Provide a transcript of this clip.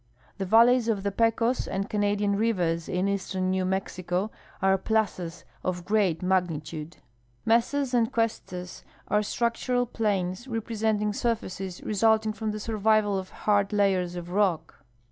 The valleys of the Pecos and Canadian rivers in eastern New Mexico are plazas of great mag nitude. ^lesas and cuestas are structural plains, representing surfaces resulting from the survival of hard layers of rock.